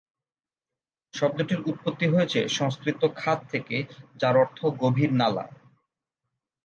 শব্দটির উৎপত্তি হয়েছে সংস্কৃত খাত থেকে, যার অর্থ গভীর নালা।